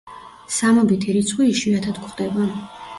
სამობითი რიცხვი იშვიათად გვხვდება.